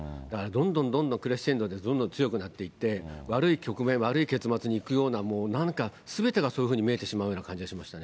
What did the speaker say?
だから、どんどんどんどんクレッシェンドで、どんどん強くなっていって、悪い局面、悪い結末に行くような、なんかすべてがそういうふうに見えてしま